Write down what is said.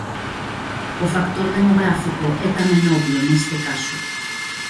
O factor demográfico é tamén obvio neste caso.